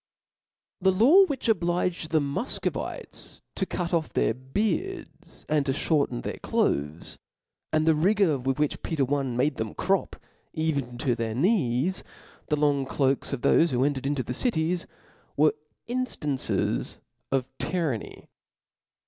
The law which obliged the Mufcovites to cutoff their beards, and to ihorten their cloaths, and the rigour with which Peter L made them crop, even to their knees, the long cloaks of thofe who entered into the cities, were inflrances of tyranny.